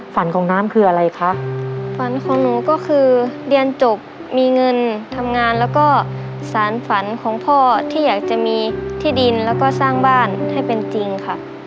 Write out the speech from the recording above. ฝันของน้ำคืออะไรคะฝันของหนูก็คือเรียนจบมีเงินทำงานแล้วก็สารฝันของพ่อที่อยากจะมีที่ดินแล้วก็สร้างบ้านให้เป็นจริงค่ะ